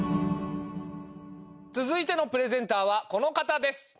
続いてのプレゼンターはこの方です。